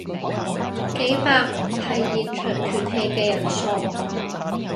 百幾係現場斷氣嘅人數